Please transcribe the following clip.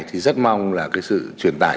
thì rất mong là sự truyền tải